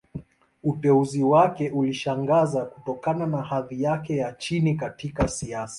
Uteuzi wake ulishangaza, kutokana na hadhi yake ya chini katika siasa.